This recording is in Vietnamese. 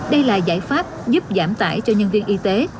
đây là giải pháp giúp giảm tải cho nhân viên y tế